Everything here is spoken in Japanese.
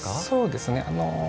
そうですね